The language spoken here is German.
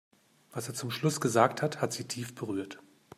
Was er zum Schluss gesagt hat, hat sie tief berührt.